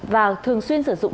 và thường xuyên sử dụng